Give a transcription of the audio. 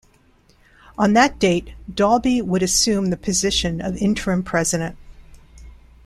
On that date Dalbey would assume the position of Interim President.